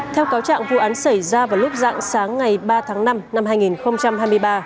theo cáo trạng vụ án xảy ra vào lúc dạng sáng ngày ba tháng năm năm hai nghìn hai mươi ba